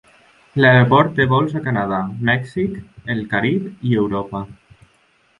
L'aeroport té vols a Canadà, Mèxic, el Carib i Europa.